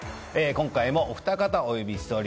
今回もお二方お呼びしております。